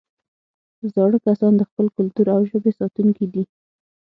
زاړه کسان د خپل کلتور او ژبې ساتونکي دي